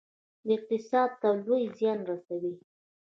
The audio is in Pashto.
دا اقتصاد ته لوی زیان رسوي.